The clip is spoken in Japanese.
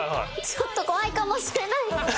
ちょっと怖いかもしれない！